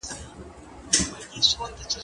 زه له سهاره ليکنه کوم!؟